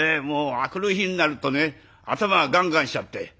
もう明くる日になるとね頭がガンガンしちゃって。